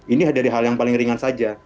ini dari hal yang paling ringan saja